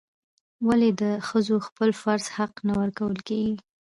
ولې د ښځو خپل فرض حق نه ورکول کیږي؟